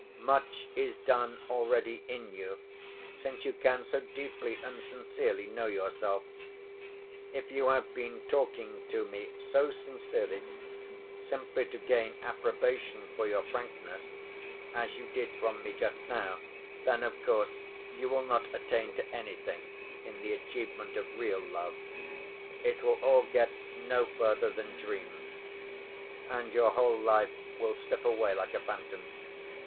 Much is done already in you since you can so deeply and sincerely know yourself. If you have been talking to me so sincerely, simply to gain approbation for your frankness, as you did from me just now, then of course you will not attain to anything in the achievement of real love; it will all get no further than dreams, and your whole life will slip away like a phantom.